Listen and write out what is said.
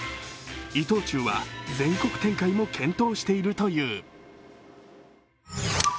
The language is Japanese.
伊藤忠は、全国展開も検討しているという。